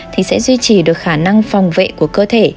thì sẽ duy trì được khả năng phòng vệ của cơ thể